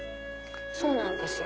そうなんですよ。